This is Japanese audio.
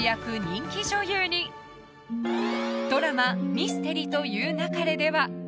「ミステリと言う勿れ」では。